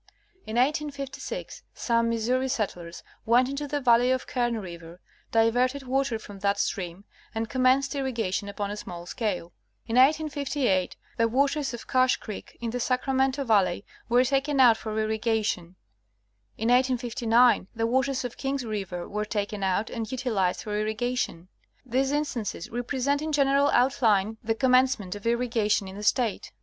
In 185d, some Missouri settlers went into the valley of Kern river, diverted water from that stream, and commenced irrigation upon a small scale. In 1858, the waters 282 National Geographic Magazine. of Cache creek, in the Sacramento valley, were taken out for irri gation. In 1859, the waters of King's river were taken out and utilized for irrigation. These instances represent in general out line the commencement of irrigation in the State.